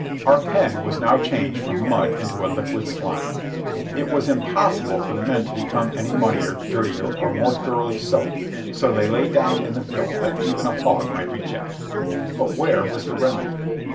Our pen was now changed from mud into a liquid siime. It was impossible for the men to become any muddier, dirtier, or more thoroughly soaked, so they lay down in the filth that even a hog might reject. But where was the remedy?